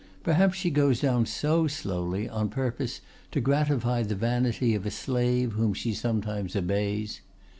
Perhaps she goes down so slowly on purpose to gratify the vanity of a slave whom she sometimes obeys.